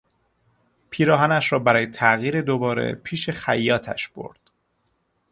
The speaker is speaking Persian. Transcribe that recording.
پیراهنش را برای تغییر دوباره پیش خیاطش برد.